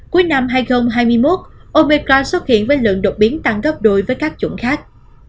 cuối năm hai nghìn hai mươi một opecron xuất hiện với lượng đột biến tăng gấp đôi với các chủng khác